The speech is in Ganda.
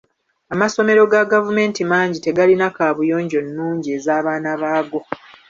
Amasomero ga gavument mangi tegalina kabuyonjo nnungi ez'abaana baago.